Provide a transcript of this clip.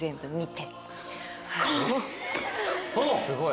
すごい。